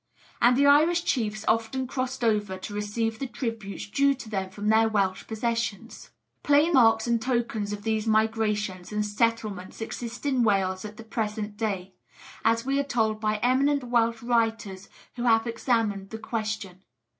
And the Irish chiefs often crossed over to receive the tributes due to them from their Welsh possessions. Plain marks and tokens of these migrations and settlements exist in Wales at the present day, as we are told by eminent Welsh writers who have examined the question.